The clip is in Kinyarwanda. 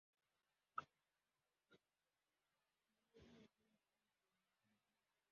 Imbwa nto ikina ningingo nini cyane